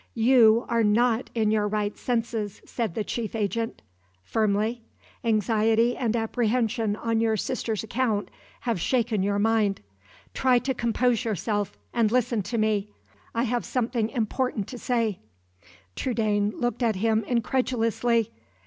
"You are not in your right senses," said the chief agent, firmly; "anxiety and apprehension on your sister's account have shaken your mind. Try to compose yourself, and listen to me. I have something important to say " (Trudaine looked at him incredulously.)